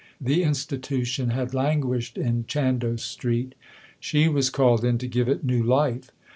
The institution had languished in Chandos Street. She was called in to give it new life.